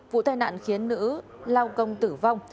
vụ tai nạn khiến nữ lao công tử vong